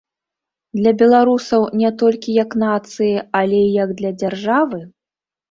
Для беларусаў не толькі як нацыі, але і як для дзяржавы?